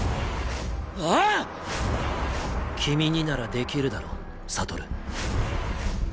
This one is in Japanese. ああっ⁉君にならできるだろ悟。